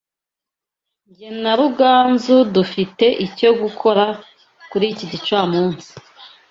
Jye na Ruganzu dufite icyo gukora kuri iki gicamunsi.